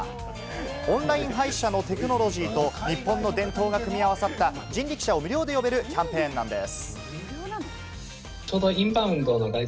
オンライン配車のテクノロジーと、日本の伝統が組み合わさった人力車を無料で呼べるキャンペーンなんです。